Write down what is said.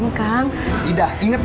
menurut ya penggrego